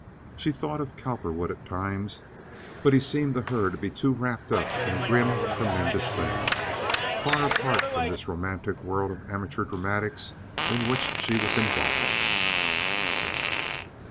She thought of Cowperwood at times; but he seemed to her to be too wrapped up in grim tremendous things, far apart from this romantic world of amateur dramatics in which she was involved.